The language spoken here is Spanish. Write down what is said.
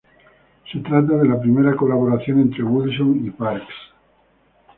Se trata de la primera colaboración entre Wilson y Parks.